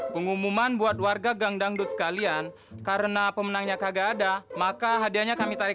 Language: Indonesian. pengumuman buat warga gangdang dos kalian karena pemenangnya kagak ada maka hadiahnya kami tarik